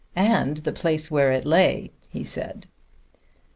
"And the place where it lay," he said.